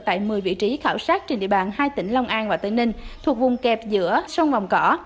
tại một mươi vị trí khảo sát trên địa bàn hai tỉnh long an và tây ninh thuộc vùng kẹp giữa sông vòng cỏ